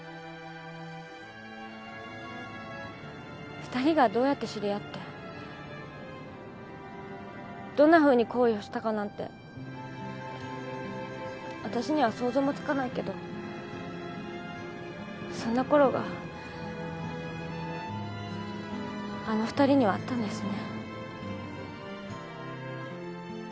二人がどうやって知り合ってどんなふうに恋をしたかなんてわたしには想像もつかないけどそんなころがあの二人にはあったんですね。